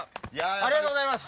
ありがとうございます。